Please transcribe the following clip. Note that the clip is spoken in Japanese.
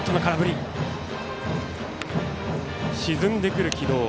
沈んでくる軌道。